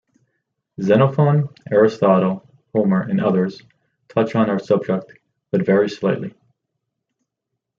Xenophon, Aristotle, Homer, and others, touch on our subject but very slightly.